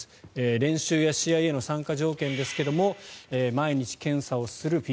練習や試合への参加条件ですが毎日ＰＣＲ検査をする。